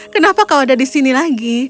kenapa kau ada di sini lagi